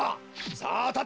さあたて！